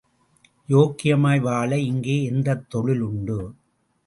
யோக்கியமாய் வாழ இங்கே எந்தத் தொழில் உண்டு?